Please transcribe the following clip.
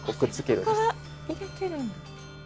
背中から入れてるんだ。